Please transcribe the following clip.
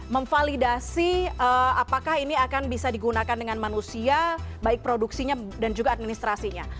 memvalidasi apakah ini akan bisa digunakan dengan manusia baik produksinya dan juga administrasinya